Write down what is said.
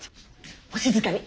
お静かに。